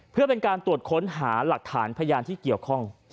เพื่อเป็นการตรวจค้นหาหลักฐานพยานที่เกี่ยวข้อง